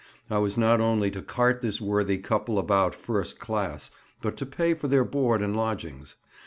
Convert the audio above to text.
I was not only to cart this worthy couple about first class, but to pay for their board and lodgings.